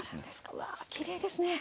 うわきれいですね。